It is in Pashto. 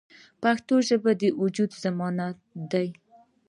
پښتو زموږ د وجود ضمانت دی.